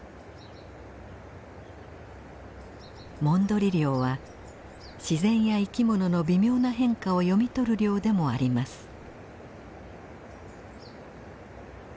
モンドリ漁は自然や生きものの微妙な変化を読み取る漁でもあります。